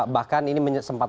bahkan ini sempat menyebabkan